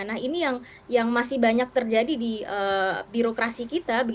nah ini yang masih banyak terjadi di birokrasi kita